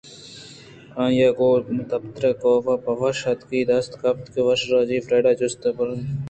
آئیءَ گوں پترگءَکاف پہ وش اتکی دست ءَ گپت ءُوش رواجی فریڈا ءِ جست ءُپرسے بنا کُت